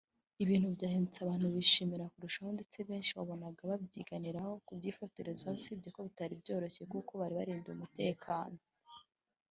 ibintu byahindutse abantu bishima kurushaho ndetse benshi wabonaga babyiganira kubifotorezaho usibye ko bitari byoroshye kuko bari barindiwe umutekano